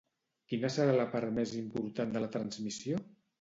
Quina serà la part més important de la transmissió?